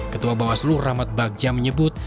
ketua bawaslu rahmat bagja menyebut